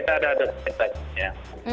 maksudnya kita ada ada